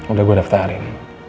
udah gue daftarin